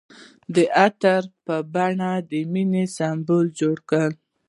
هغه د عطر په بڼه د مینې سمبول جوړ کړ.